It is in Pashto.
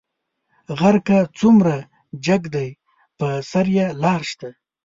غر کۀ څومره جګ دى، پۀ سر يې لار شته.